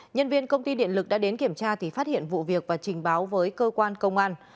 nhân viên công ty điện lực đã đến kiểm tra thì phát hiện vụ việc và trình báo với cơ quan công an